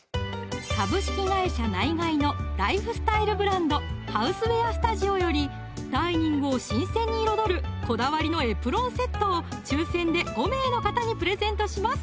ナイガイのライフスタイルブランド「ＨＯＵＳＥＷＥＡＲＳＴＵＤＩＯ」よりダイニングを新鮮に彩るこだわりのエプロンセットを抽選で５名の方にプレゼントします